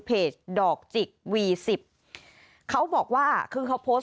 เพจดอกจิตวี๑๐เขาบอกว่าคือเขาโพสต์